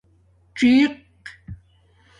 څِیق